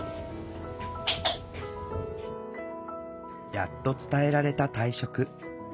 やっと伝えられた退職。